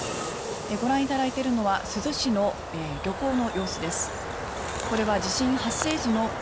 ご覧いただいているのは珠洲市の漁港の様子です。